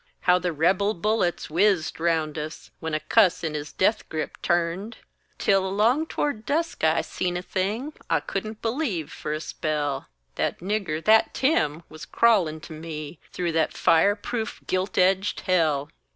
How the Rebel bullets whizzed round us When a cuss in his death grip turned! Till along toward dusk I seen a thing I couldn't believe for a spell: That nigger that Tim was a crawlin' to me Through that fire proof, gilt edged hell!